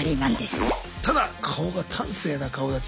ただ顔が端正な顔立ち。